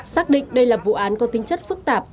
xác định đây là vụ án có tính chất phức tạp